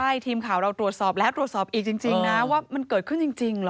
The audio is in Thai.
ใช่ทีมข่าวเราตรวจสอบแล้วตรวจสอบอีกจริงนะว่ามันเกิดขึ้นจริงเหรอ